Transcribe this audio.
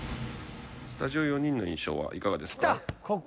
スタジオ４人の印象はいかがですか？